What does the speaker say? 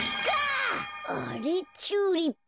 あれっチューリップ。